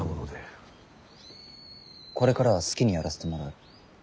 これからは好きにやらせてもらう。